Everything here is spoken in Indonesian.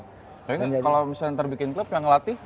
kayaknya kalau misalnya ntar bikin klub yang ngelatih